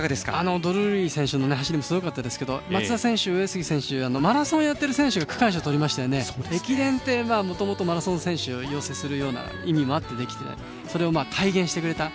ドルーリー選手の走りすごかったですが松田選手、上杉選手マラソンをやっている選手が区間賞をとったので駅伝ってもともとマラソン選手を要請する意味もあってそれを体現してくれた。